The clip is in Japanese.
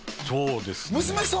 そうですね